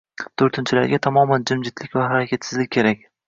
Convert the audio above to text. to‘rtinchilarga tamoman jimjitlik va harakatsizlik kerak.